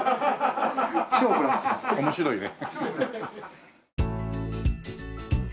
面白いね。